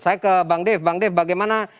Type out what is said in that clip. saya ke bang dev bang dev bagaimana